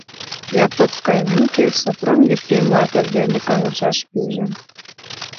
Япык кайымеке, Сопром Епрем ватыж дене каҥашаш пиже.